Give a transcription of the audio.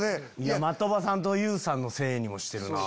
的場さんとＹＯＵさんのせいにもしてるな。